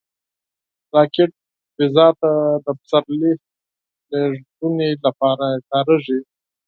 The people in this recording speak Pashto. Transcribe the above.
راکټ فضا ته د سپرلي لیږدونې لپاره کارېږي